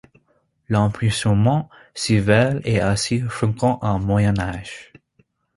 L'emprisonnement civil est aussi fréquent au Moyen Âge.